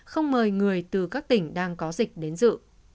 không mời người từ các tỉnh đang có dịch đến dự